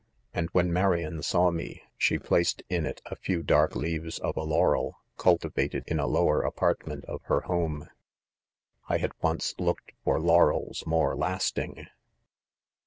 and whin Marion saw: me, she placed in it a few dark leaves of a laurel, cultivated in alow* eiv apartment of her home. I had, once look ed for laurels more lasting.'